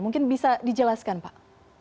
mungkin bisa dijelaskan pak